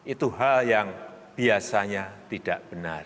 itu hal yang biasanya tidak benar